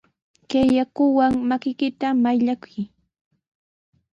Kay yakuwan makiykita mayllakuy.